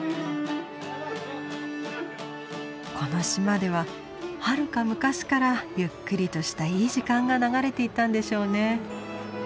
この島でははるか昔からゆっくりとしたいい時間が流れていたんでしょうね。